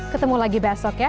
ketemu lagi besok ya